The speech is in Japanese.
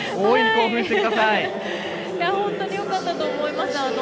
本当によかったと思います。